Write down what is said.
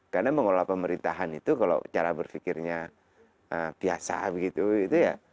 karena mengelola pemerintahan itu kalau cara berpikirnya biasa gitu ya